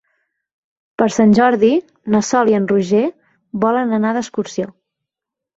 Per Sant Jordi na Sol i en Roger volen anar d'excursió.